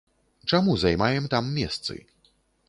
Чаму займаем там месцы?